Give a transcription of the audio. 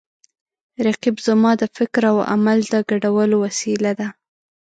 رقیب زما د فکر او عمل د ګډولو وسیله ده